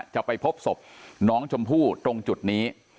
จะไปพบศพน้องชมพู่ตรงจุดนี้